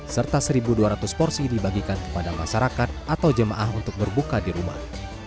serta satu dua ratus porsi dibagikan kepada masyarakat atau jemaah untuk berbuka di rumah